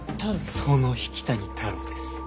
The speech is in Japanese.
その引谷太郎です。